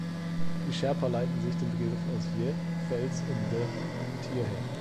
Die Sherpa leiten sich den Begriff aus "Ye" ‚Fels‘ und "The" ‚Tier‘ her.